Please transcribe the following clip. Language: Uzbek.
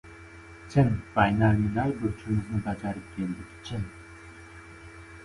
— Chin, baynalminal burchimizni bajarib keldik, chin.